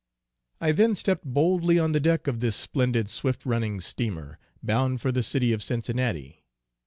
I then stept boldly on the deck of this splendid swift running Steamer, bound for the city of Cincinnati.